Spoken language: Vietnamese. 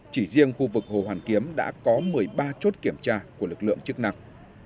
chỉ riêng khu vực hồ hoàn kiếm đã có một mươi ba chốt kiểm tra của lực lượng chức năng